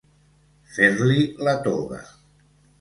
Fer-li la toga.